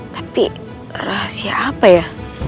tapi rahasia apa ya